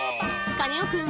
「カネオくん」